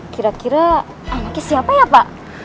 kira kira anaknya siapa ya pak